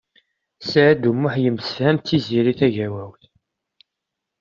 Saɛid U Muḥ yemsefham d Tiziri Tagawawt.